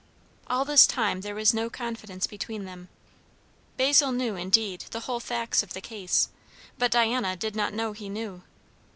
All this time there was no confidence between them. Basil knew, indeed, the whole facts of the case, but Diana did not know he knew.